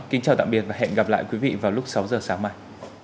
kính chào tạm biệt và hẹn gặp lại quý vị vào lúc sáu giờ sáng mai